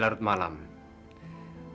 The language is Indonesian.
saya sudah bekerja larut malam